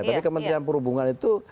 tapi kementerian perhubungan itu